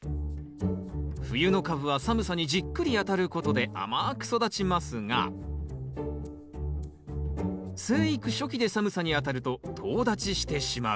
冬のカブは寒さにじっくりあたることで甘く育ちますが生育初期で寒さにあたるととう立ちしてしまう。